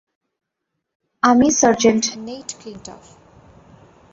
আমি sergeant Nate ক্লিনটফ।